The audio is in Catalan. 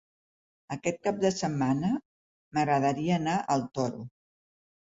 Aquest cap de setmana m'agradaria anar al Toro.